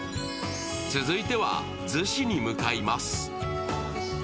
続いては逗子に向かいます。